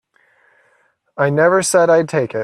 I never said I'd take it.